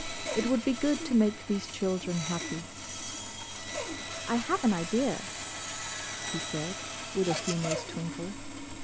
It would be good to make these children happy. "I have an idea," he said, with a humorous twinkle.